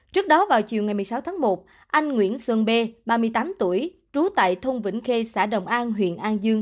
trước đó vào chiều ngày một mươi sáu tháng một anh nguyễn xuân b ba mươi tám tuổi trú tại thông vĩnh khê xã đồng an huyện an dương